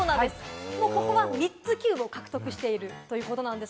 ここは３つキューブ獲得しているということなんです。